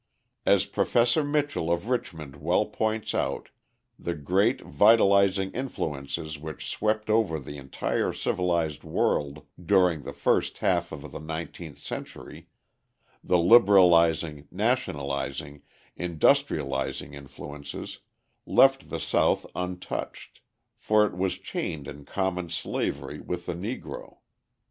As Professor Mitchell of Richmond well points out, the great, vitalising influences which swept over the entire civilised world during the first half of the nineteenth century, the liberalising, nationalising, industrialising influences, left the South untouched. For it was chained in common slavery with the Negro.